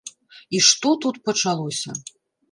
І што тут пачалося!